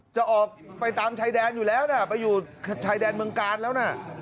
จะออกไปตามชายแดนอยู่แล้วนะไปอยู่ชายแดนเมืองกาลแล้วนะ